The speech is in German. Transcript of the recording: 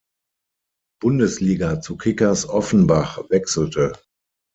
Bundesliga zu Kickers Offenbach wechselte.